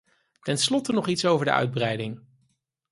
Tenslotte nog iets over de uitbreiding.